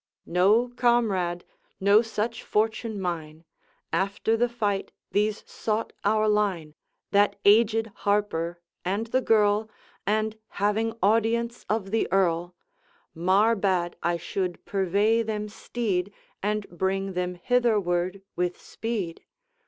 'No, comrade; no such fortune mine. After the fight these sought our line, That aged harper and the girl, And, having audience of the Earl, Mar bade I should purvey them steed, And bring them hitherward with speed.